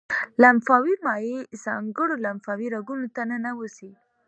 لمفاوي مایع ځانګړو لمفاوي رګونو ته ننوزي.